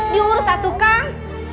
diurus satu kang